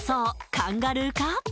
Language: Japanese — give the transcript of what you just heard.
カンガルーか？